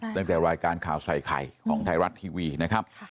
ตั้งแต่รายการข่าวใส่ไข่ของไทยรัฐทีวีนะครับ